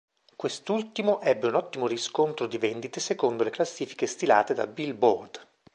Quest'ultimo ebbe un ottimo riscontro di vendite secondo le classifiche stilate da Billboard.